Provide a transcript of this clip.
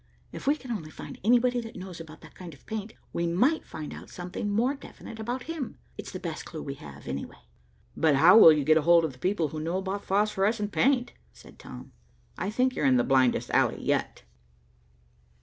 If we can only find anybody that knows about that kind of paint, we might find out something more definite about him. It's the best clue we have, anyway." "But how will you get hold of the people who know about phosphorescent paint?" said Tom. "I think you're in the blindest alley yet."